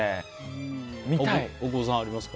大久保さん、あります？